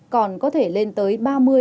còn có thể lên tới ba mươi ba mươi năm